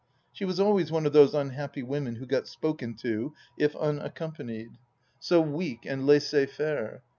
She was always one of those un happy women who got spoken to, if unaccompanied. So THE LAST DITCH 131 weak and laissez faire